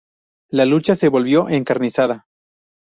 La lucha se volvió encarnizada.